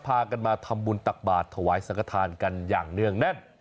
พากันมาทำบุญตักบาทถวายสังกฐานกันอย่างเนื่องแน่น